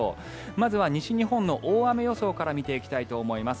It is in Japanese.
まずは西日本の大雨予想から見ていきたいと思います。